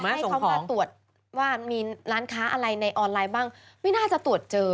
ให้เขามาตรวจว่ามีร้านค้าอะไรในออนไลน์บ้างไม่น่าจะตรวจเจอ